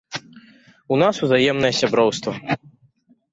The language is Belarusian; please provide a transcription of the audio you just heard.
У нас узаемнае сяброўства.